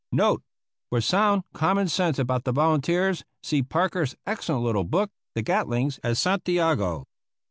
* Note: For sound common sense about the volunteers see Parker's excellent little book, "The Gatlings at Santiago."